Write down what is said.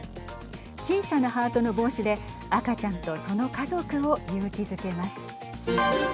小さなハートの帽子で赤ちゃんとその家族を勇気づけます。